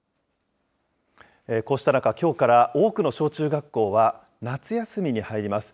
こうした中、きょうから多くの小中学校は夏休みに入ります。